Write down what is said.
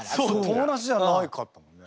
友達じゃなかったもんね。